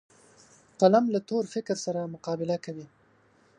قلم له تور فکر سره مقابل کوي